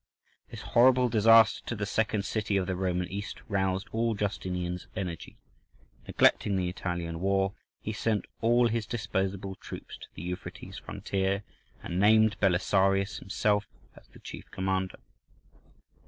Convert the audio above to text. This horrible disaster to the second city of the Roman East roused all Justinian's energy; neglecting the Italian war, he sent all his disposable troops to the Euphrates frontier, and named Belisarius himself as the chief commander.